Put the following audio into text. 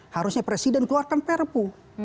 harusnya presiden keluarkan prpu